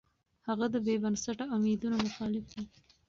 هغه د بې بنسټه اميدونو مخالف و.